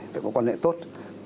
phải có quan hệ tốt